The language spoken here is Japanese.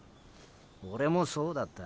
オレもそうだった。